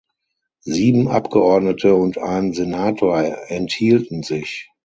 Sieben Abgeordnete und ein Senator enthielten sich.